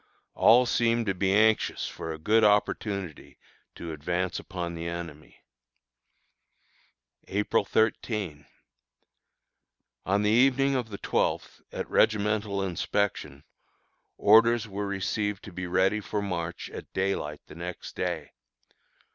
All seem to be anxious for a good opportunity to advance upon the enemy. April 13. On the evening of the twelfth, at regimental inspection, orders were received to be ready for march at daylight the next day.